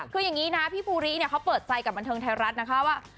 คืออย่างนี้นะพี่ภูริเนี่ยเขาเปิดใจกับบันเทิงไทยรัฐนะคะว่า